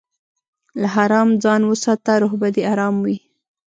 له حرامه ځان وساته، روح به دې ارام وي.